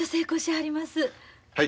はい。